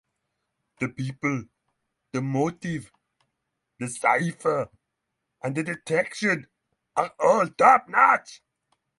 The people, the motive, the cipher, and the detection are all topnotch.